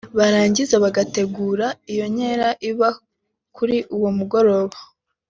barangiza bagategura iyo nkera iba kuri uwo mugoroba